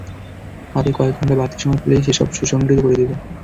হাতে কয়েক ঘন্টা বাড়তি সময় পেলেই, সেসব সুসংগঠিত করে দেবো।